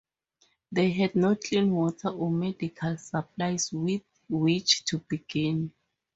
They had no clean water or medical supplies with which to begin.